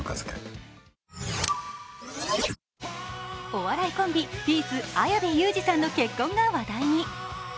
お笑いコンビ・ピース綾部祐二さんの結婚が話題に。